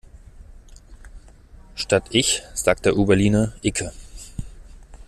Statt ich sagt der Urberliner icke.